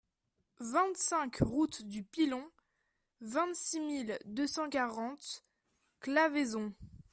vingt-cinq route du Pilon, vingt-six mille deux cent quarante Claveyson